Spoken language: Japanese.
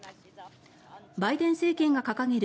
バイデン政権が掲げる